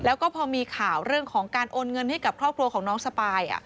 แล้วก็พอมีข่าวเรื่องของการโอนเงินให้กับครอบครัวของน้องสปาย